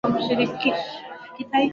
katika simu msikilizaji dada poli olivi